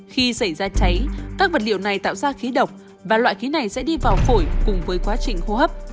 khi xảy ra cháy các vật liệu này tạo ra khí độc và loại khí này sẽ đi vào phổi cùng với quá trình hô hấp